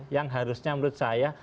yang harusnya menurut saya